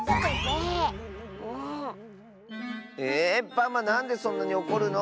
パマなんでそんなにおこるの。